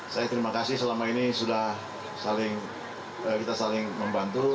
saya terima kasih selama ini sudah kita saling membantu